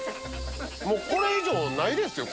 もうこれ以上ないですよ